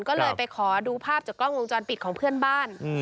ก็เลยไปขอดูภาพจากกล้องวงจรปิดของเพื่อนบ้าน